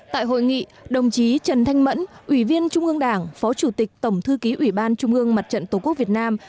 tại hội nghị đồng chí trần thanh mẫn ủy viên trung ương đảng phó chủ tịch tổng thư ký ủy ban trung ương mặt trận tổ quốc việt nam